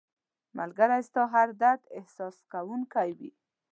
ملګری ستا هر درد احساسوونکی وي